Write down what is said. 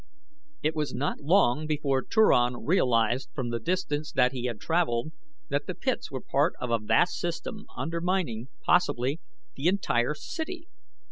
It was not long before Turan realized from the distance that he had traveled that the pits were part of a vast system undermining, possibly, the entire city.